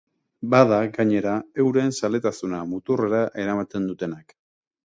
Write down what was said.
Bada, gainera, euren zaletasuna muturrera eramaten dutenak.